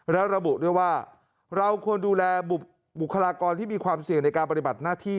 แล้วระบุด้วยว่าเราควรดูแลบุคลากรที่มีความเสี่ยงในการปฏิบัติหน้าที่